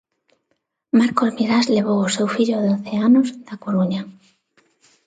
Marcos Mirás levou o seu fillo de once anos, da Coruña.